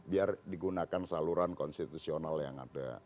biar digunakan saluran konstitusional yang ada